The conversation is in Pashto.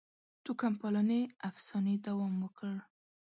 توکم پالنې افسانې دوام وکړ.